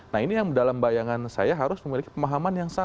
nah ini yang dalam bayangan saya harus memiliki pemahaman yang sama